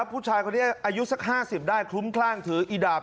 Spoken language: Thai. ผู้ชายคนนี้อายุสัก๕๐ได้คลุ้มคลั่งถืออีดาบ